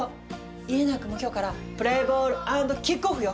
家長くんも今日からプレイボール＆キックオフよ。